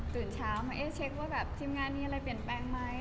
ดื่นเช้ามาเน็ตเช็คว่าติมงานนี่เปลี่ยนแปลงไหม